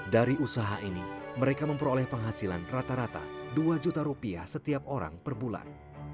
dari usaha ini mereka memperoleh penghasilan rata rata dua juta rupiah setiap orang per bulan